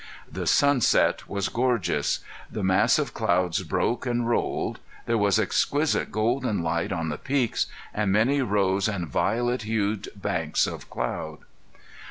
The sunset was gorgeous. The mass of clouds broke and rolled. There was exquisite golden light on the peaks, and many rose and violet hued banks of cloud.